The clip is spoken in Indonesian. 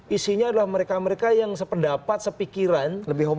isinya adalah mereka mereka yang sependapat sepikiran